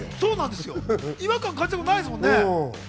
違和感を感じたことないですよね。